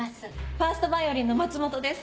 ファーストヴァイオリンの松本です。